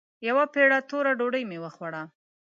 يوه پېړه توره ډوډۍ مې وخوړه.